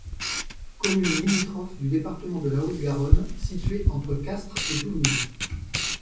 Commune limitrophe du département de la Haute-Garonne, située entre Castres et Toulouse.